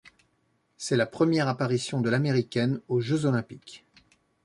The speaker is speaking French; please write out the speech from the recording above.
C'est la première apparition de l'américaine aux Jeux olympiques.